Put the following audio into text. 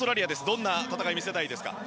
どんな戦いを見せたいですか？